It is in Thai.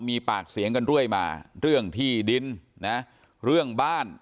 มีปากเสียงกันเรื่อยมาเรื่องที่ดินนะเรื่องบ้าน